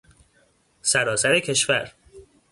سراسر کشور